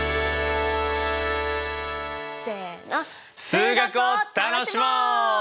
数学を楽しもう！